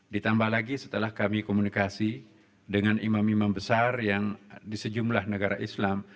ditambah lagi setelah kami komunikasi dengan imam imam besar yang di sejumlah negara islam